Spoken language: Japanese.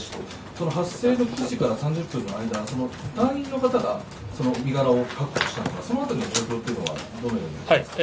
その発生の当時から３０分の間、その隊員の方がその身柄を確保したのか、そのあたりの状況というのはどのようになりますか。